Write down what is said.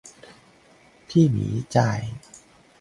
พี่หมีจ่าย